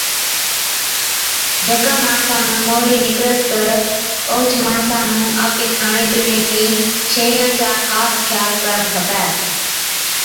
جڪا ماڻسا نُُون موهِيڙي نِڪرس تہ اوهچ ماڻسا نُون آپڪي کاڻي پِيڻي چي شئِيان چا خاص خيال ڪرڻ کپَي،